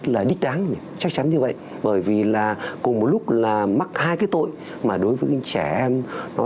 là đích đáng chắc chắn như vậy bởi vì là cùng một lúc là mắc hai cái tội mà đối với cái trẻ em nó